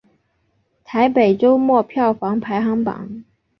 台北周末票房排行榜